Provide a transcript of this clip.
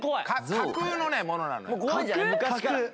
架空のものなの。